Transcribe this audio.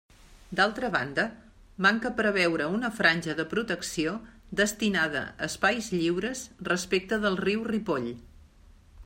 D'altra banda, manca preveure una franja de protecció destinada a espais lliures respecte del riu Ripoll.